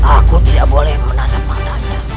aku tidak boleh menatap matanya